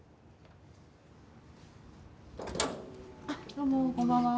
どうも、こんばんは。